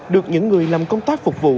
được những người làm công tác phục vụ